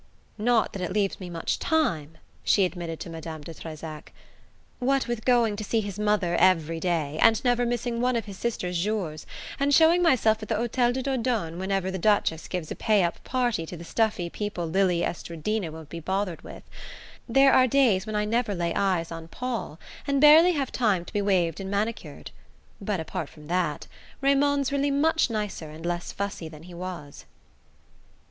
"Not that it leaves me much time," she admitted to Madame de Trezac; "what with going to see his mother every day, and never missing one of his sisters' jours, and showing myself at the Hotel de Dordogne whenever the Duchess gives a pay up party to the stuffy people Lili Estradina won't be bothered with, there are days when I never lay eyes on Paul, and barely have time to be waved and manicured; but, apart from that, Raymond's really much nicer and less fussy than he was."